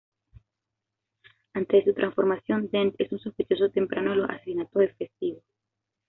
Antes de su transformación, Dent es un sospechoso temprano de los asesinatos de Festivo.